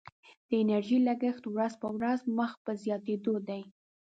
د انرژي لګښت ورځ په ورځ مخ په زیاتیدو دی.